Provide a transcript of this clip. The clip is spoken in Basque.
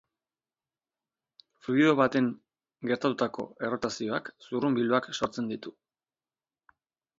Fluido baten gertatutako errotazioak zurrunbiloak sortzen ditu.